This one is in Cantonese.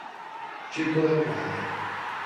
朱古力奶